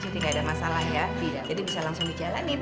jadi nggak ada masalah ya jadi bisa langsung di jalanin